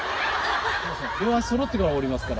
両足そろってからおりますから。